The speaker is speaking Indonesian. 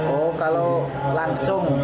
oh kalau langsung